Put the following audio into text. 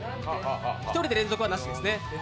１人で連続はなしですね。